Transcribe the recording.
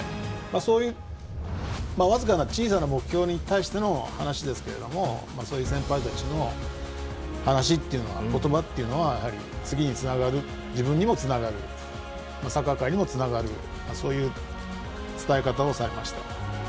そういう僅かな小さな目標に対しての話ですけれどもそういう先輩たちの話や言葉というのは、次につながる自分にもつながるサッカー界にもつながるそういう伝え方をされました。